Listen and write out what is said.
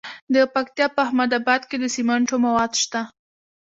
د پکتیا په احمد اباد کې د سمنټو مواد شته.